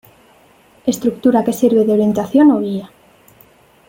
Estructura que sirve de orientación o guía.